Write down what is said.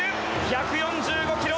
１４５キロ。